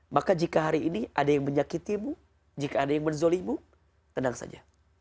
maka jika hari ini ada yang menyakitimu jika ada yang menzolimu tenang saja